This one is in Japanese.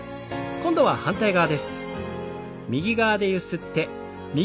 今度は反対側です。